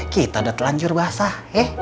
kita udah telanjur basah